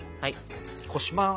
こします。